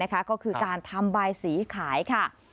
ก็คือการทำบายสีขายค่ะ